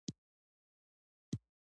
یو سل او شپږ دیرشمه پوښتنه د قانون مرحلې دي.